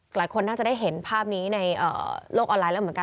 หลายคนน่าจะได้เห็นภาพนี้ในโลกออนไลน์แล้วเหมือนกัน